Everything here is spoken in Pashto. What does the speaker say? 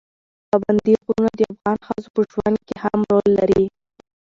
پابندي غرونه د افغان ښځو په ژوند کې هم رول لري.